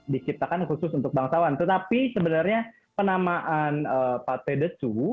diciptakan khusus untuk bangsawan tetapi sebenarnya penamaan paté de sous